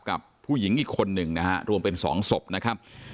กับผู้หญิงอีกคนหนึ่งนะฮะรวมเป็น๒ศพนะครับ